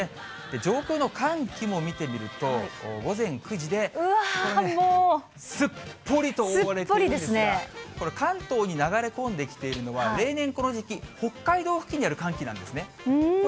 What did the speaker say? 上空の寒気も見てみると、午前９時ですっぽり覆われてるんですが、この関東に流れ込んできているのは、例年、この時期、北海道付近にある寒気なんですね。